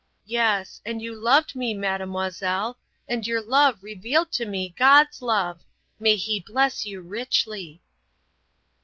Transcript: "Yes, and you loved me, mademoiselle, and your love revealed to me God's love! May He bless you richly!"